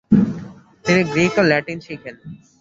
তিনি গ্রীক ও ল্যাটিন শিখেন।